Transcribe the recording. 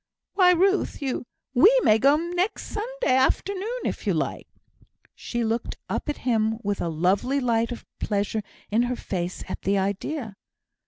"Why, Ruth, you we may go next Sunday afternoon, if you like." She looked up at him with a lovely light of pleasure in her face at the idea.